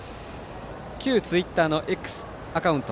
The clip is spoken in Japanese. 旧ツイッターのＸアカウント